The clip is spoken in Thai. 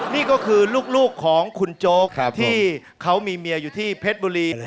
นี่ก็คือลูกของคุณโจ๊กที่เขามีเมียอยู่ที่เพชรบุรี